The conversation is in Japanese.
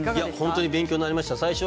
勉強になりました。